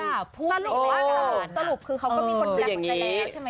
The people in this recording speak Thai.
สรุปคือเขาก็มีคนแดกในระยะใช่ไหมเจ๊